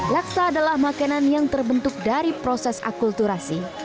laksa adalah makanan yang terbentuk dari proses akulturasi